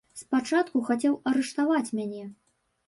Спачатку хацеў арыштаваць мяне.